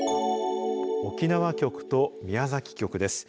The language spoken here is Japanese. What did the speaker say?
沖縄局と宮崎局です。